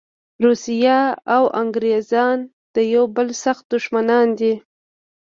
روسیه او انګریزان د یوه بل سخت دښمنان دي.